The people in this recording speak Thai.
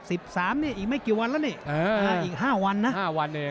อีก๕วันนะ